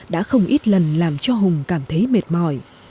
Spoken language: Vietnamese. đã không ít lần làm cho hùng cảm thấy mệt mỏi